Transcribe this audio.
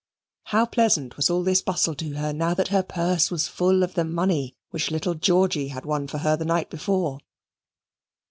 How pleasant was all the bustle to her now that her purse was full of the money which little Georgy had won for her the night before!